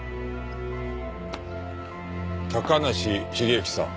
高梨茂之さん。